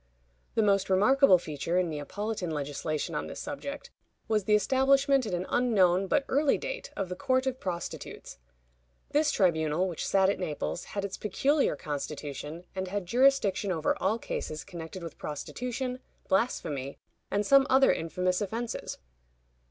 The most remarkable feature in Neapolitan legislation on this subject was the establishment at an unknown, but early date, of the Court of Prostitutes. This tribunal, which sat at Naples, had its peculiar constitution, and had jurisdiction over all cases connected with prostitution, blasphemy, and some other infamous offenses.